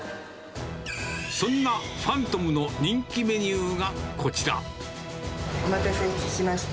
そんなファントムの人気メニューお待たせいたしました。